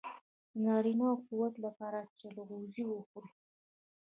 د نارینه وو د قوت لپاره چلغوزي وخورئ